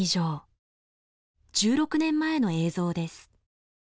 １６年前の映像です。